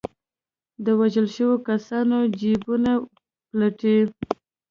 د وژل شوو کسانو جېبونه پلټي.